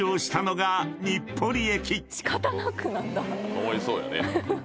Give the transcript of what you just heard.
かわいそうやね。